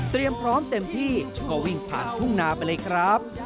พร้อมเต็มที่ก็วิ่งผ่านทุ่งนาไปเลยครับ